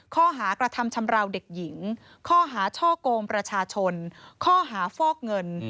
ข้อหากระทำชำราวเด็กหญิงข้อหาช่อกงประชาชนข้อหาฟอกเงิน